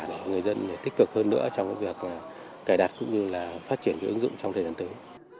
để người dân tích cực hơn nữa trong việc cài đặt cũng như là phát triển ứng dụng trong thời gian tới